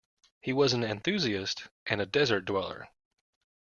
He was an enthusiast and a desert dweller.